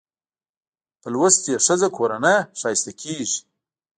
په لوستې ښځه کورنۍ ښايسته کېږي